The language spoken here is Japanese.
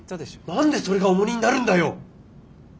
何でそれが重荷になるんだよ！